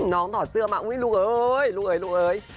น้องถอดเสื้อมาอุ๊ยลูกเอ้ย